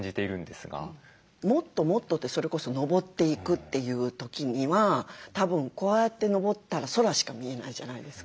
もっともっとってそれこそ上っていくという時にはたぶんこうやって上ったら空しか見えないじゃないですか。